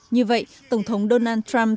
như vậy tổng thống donald trump